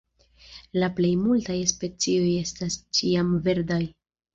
La plej multaj specioj estas ĉiamverdaj.